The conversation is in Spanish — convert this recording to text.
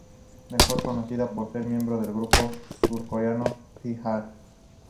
Mejor conocida por ser miembro del grupo surcoreano T-ara.